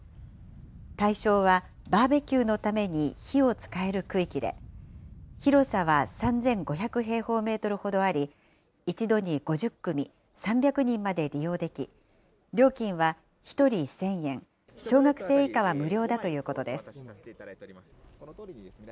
対象は、バーベキューのために火を使える区域で、広さは３５００平方メートルほどあり、一度に５０組３００人まで利用でき、料金は１人１０００円、小学生以下は無料だということです。